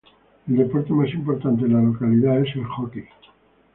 El deporte más importante en la localidad es el hockey.